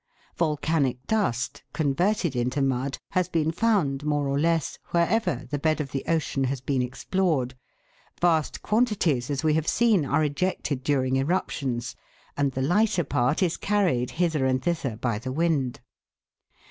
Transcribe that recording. Vol canic dust, converted into mud, has been found, more or less, wherever the bed of the ocean has been explored, vast quantities, as we have seen, are ejected during erup tions, and the lighter part is carried hither and thither by the wind.